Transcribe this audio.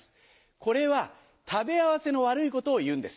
これは食べ合わせの悪いことをいうんです。